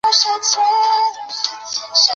郑和亦尝裔敕往赐。